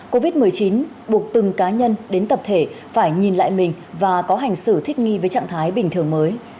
covid một mươi chín buộc từng cá nhân đến tập thể phải nhìn lại mình và có hành xử thích nghi với trạng thái bình thường mới